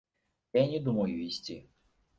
Я і не думаю ісці.